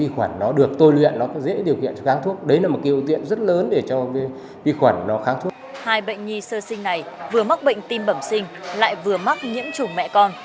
hai bệnh nhi sơ sinh này vừa mắc bệnh tim bẩm sinh lại vừa mắc nhiễm trùng mẹ con